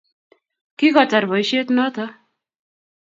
Kikotar boishet noto